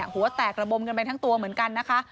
หัวแตกระบมกันไปทั้งตัวเหมือนกันนะคะ